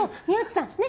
宮内さん